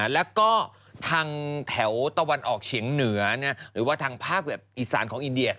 แล้วก็ทางแถวตะวันออกเฉียงเหนือหรือว่าทางภาคอีสานของอินเดีย